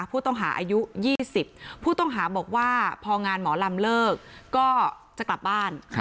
ผู้ต้องหาอายุ๒๐ผู้ต้องหาบอกว่าพองานหมอลำเลิกก็จะกลับบ้าน